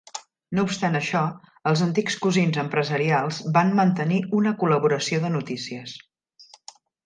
No obstant això, els antics cosins empresarials van mantenir una col·laboració de notícies.